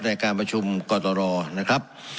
ในการประชุมกตรนะครับ